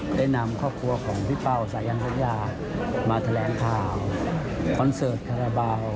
ได้นำครอบครัวของพี่เป้าสายันทยามาแถลงข่าวคอนเสิร์ตคาราบาล